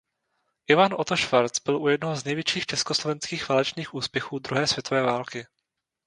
Ivan Otto Schwarz byl u jednoho z největších československých válečných úspěchů druhé světové války.